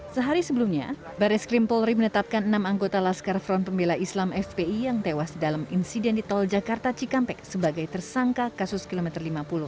sehari sebelumnya baris krim polri menetapkan enam anggota laskar front pembela islam fpi yang tewas dalam insiden di tol jakarta cikampek sebagai tersangka kasus kilometer lima puluh